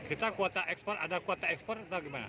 kita kuota ekspor ada kuota ekspor atau gimana